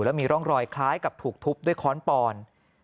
แล้วมีร่องรอยคล้ายกับถูกทุบด้วยค้อนปอน